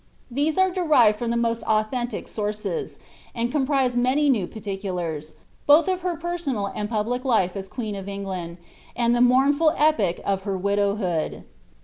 These are derived from the most authentic sources, and comprise many new particulars, both of her personal and public life as queen of England, and the mournful epoch of her widow hood.